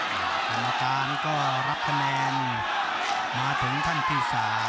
คำนาญก็รับคะแนนมาถึงท่านที่๓